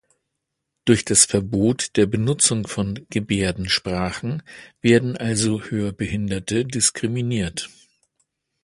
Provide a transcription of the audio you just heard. Durch das Verbot der Benutzung von Gebärdensprachen werden also Hörbehinderte diskriminiert.